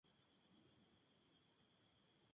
Es originaria del oeste de Malasia.